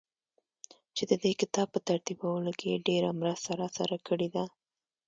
چي ددې کتاب په ترتيبولو کې يې ډېره مرسته راسره کړې ده.